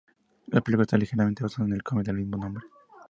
La película está ligeramente basado en el cómic del mismo nombre.